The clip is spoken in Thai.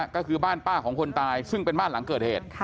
ก็คือบ้านป้าของคนตายซึ่งเป็นบ้านหลังเกิดเหตุ